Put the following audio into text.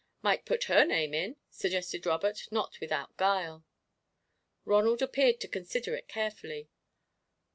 "Might put her name in," suggested Robert, not without guile. Ronald appeared to consider it carefully.